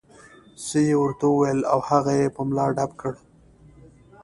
څه یې ورته وویل او هغه یې په ملا ډب کړ.